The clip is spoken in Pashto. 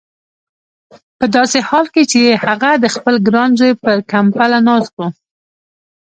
په داسې حال کې چې هغه د خپل ګران زوی پر کمبله ناست و.